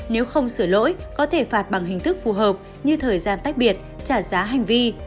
nếu không sửa lỗi có thể phạt bằng hình thức phù hợp như thời gian tách biệt trả giá hành vi